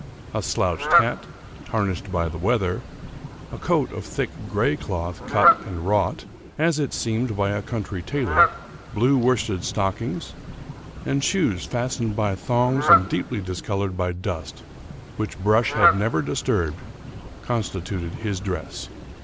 A slouched hat, tarnished by the weather, a coat of thick gray cloth, cut and wrought, as it seemed, by a country tailor, blue worsted stockings, and shoes fastened by thongs and deeply discolored by dust, which brush had never disturbed, constituted his dress.